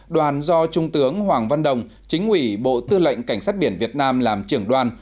đoàn do trung tướng hoàng văn đồng chính ủy bộ tư lệnh cảnh sát biển việt nam làm trưởng đoàn